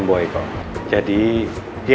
boy kok jadi dia